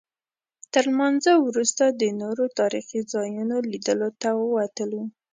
تر لمانځه وروسته د نورو تاریخي ځایونو لیدلو ته ووتلو.